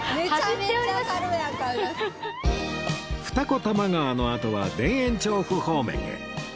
二子玉川のあとは田園調布方面へ